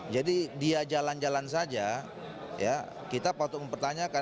jadi dia jalan jalan saja kita patut mempertanyakan